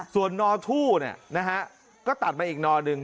ส่วนนอทู่ก็ตัดมาอีกนอหนึ่ง